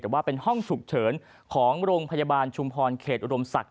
แต่ว่าเป็นห้องฉุกเฉินของโรงพยาบาลชุมพรเขตอุดมศักดิ